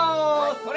それ！